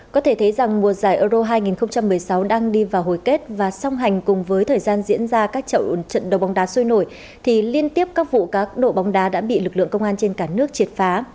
có thể thấy rằng mùa giải euro hai nghìn một mươi sáu đang đi vào hồi kết và song hành cùng với thời gian diễn ra các trận đấu bóng đá sôi nổi thì liên tiếp các vụ cá độ bóng đá đã bị lực lượng công an trên cả nước triệt phá